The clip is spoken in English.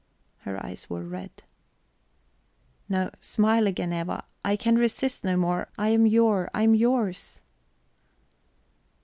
Her eyes were red. "No smile again, Eva! I can resist no more; I am your, I am yours..."